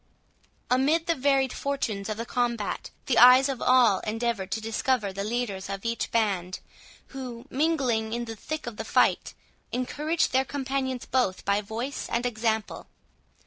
Amid the varied fortunes of the combat, the eyes of all endeavoured to discover the leaders of each band, who, mingling in the thick of the fight, encouraged their companions both by voice and example.